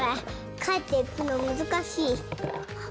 かえっていくの難しい。